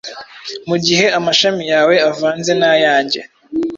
Mugihe amashami yawe avanze nayanjye,